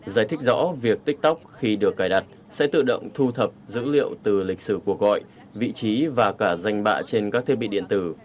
giải thích rõ việc tiktok khi được cài đặt sẽ tự động thu thập dữ liệu từ lịch sử cuộc gọi vị trí và cả danh bạ trên các thiết bị điện tử